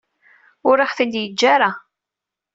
Ur aɣ-t-id-yeǧǧa ara.